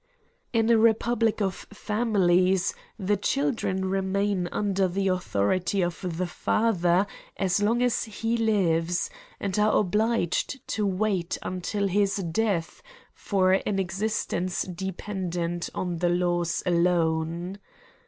In a republic of families, the children remaia under the authority of the father as long as he lives, and are obliged to wait until his death for M 90 AN ESSAY ON an existence dependent on the laws alone.